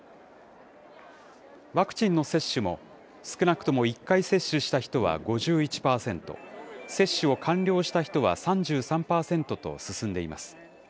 ワクチンの接種も、少なくとも１回接種した人は５１％、接種を完了した人は３３％と進んでいます。